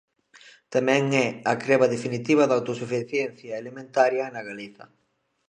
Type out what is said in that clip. Tamén é a creba definitiva da autosuficiencia alimentaria na Galiza.